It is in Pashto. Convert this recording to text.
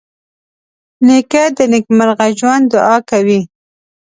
نیکه د نېکمرغه ژوند دعا کوي.